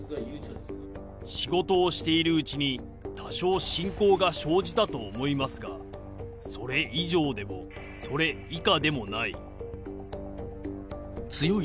仕事をしているうちに、多少親交が生じたと思いますが、それ以上でもそれ以下でもない。